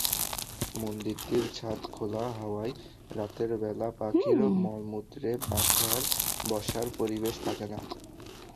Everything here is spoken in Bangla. মন্দিরটির ছাদ খোলা হওয়ায় রাতের বেলা পাখির মলমূত্রে বসার পরিবেশ থাকে না।